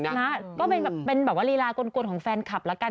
นะก็เป็นแบบเรียลากลไกลของแฟนคลับหละกัน